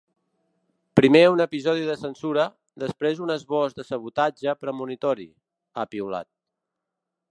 “Primer un episodi de censura, després un esbós de sabotatge premonitori”, ha piulat.